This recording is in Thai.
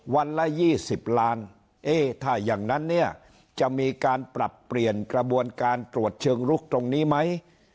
วันละ๒๐ล้านเอ๊ถ้าอย่างนั้นเนี่ยจะมีการปรับเปลี่ยนกระบวนการตรวจเชิงลุกตรงนี้ไหม